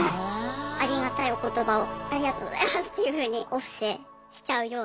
ありがたいお言葉をありがとうございますっていうふうにお布施しちゃうような。